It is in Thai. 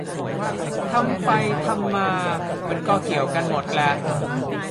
ทำไปทำมา มันก็เกี่ยวกันหมดแหละ